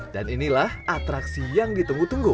dan ini adalah atraksi yang ditunggu tunggu